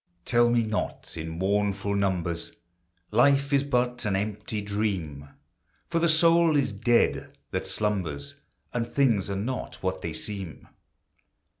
Tell me not, in mournful numbers, Life is but an empty dream ! For the soul is dead that slumbers, And things are not what they seem.